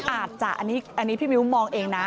อาจจะอันนี้พี่มิ้วมองเองนะ